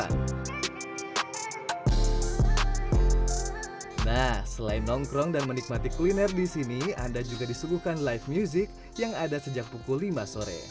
nah selain nongkrong dan menikmati kuliner di sini anda juga disuguhkan live music yang ada sejak pukul lima sore